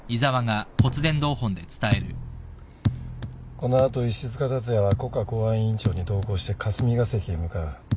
この後石塚辰也は国家公安委員長に同行して霞が関へ向かう。